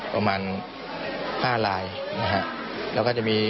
ประมาณ๕ลายนะครับ